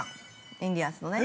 インディアンスのね。